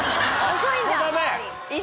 遅いんだ？